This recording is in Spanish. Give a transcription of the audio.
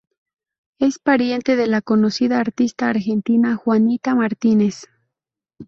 Es pariente de la conocida artista argentina Juanita Martínez.